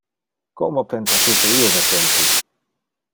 Como pensa tu que io me senti?